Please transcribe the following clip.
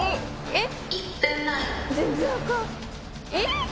えっ？